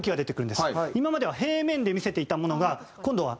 今までは平面で見せていたものが今度は。